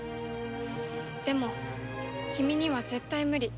でも君には絶対無理。